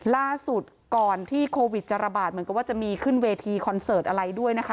ล่าสุดก่อนที่โควิดจะระบาดเหมือนกับว่าจะมีขึ้นเวทีคอนเสิร์ตอะไรด้วยนะคะ